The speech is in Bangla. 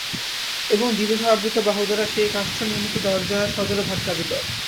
এবং দীর্ঘ আবৃত বাহু দ্বারা সেই কাষ্ঠ-নির্মিত দরজায় সজোরে ধাক্কা দিল।